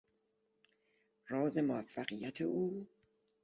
راز موفقیت او